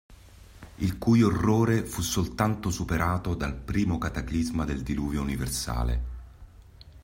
Il cui orrore fu soltanto superato dal primo cataclisma del diluvio universale.